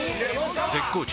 絶好調！！